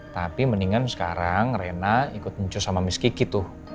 tapi mendingan sekarang rena ikut muncul sama misk kiki tuh